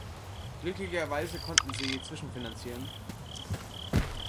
Glücklicherweise konnten sie zwischenfinanzieren.